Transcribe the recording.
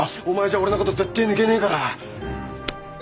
お前じゃ俺のこと絶対抜けねえから！